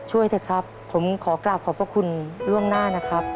ช่วยเถอะครับผมขอกราบขอบพระคุณล่วงหน้านะครับ